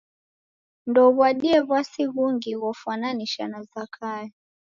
Ndouw'adie w'asi ghungi ghofwananishwa na Zakayo.